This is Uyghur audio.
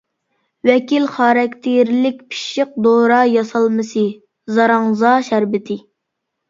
ۋەكىل خاراكتېرلىك پىششىق دورا ياسالمىسى زاراڭزا شەربىتى.